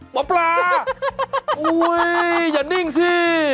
หมอปลาอย่านิ่งสิ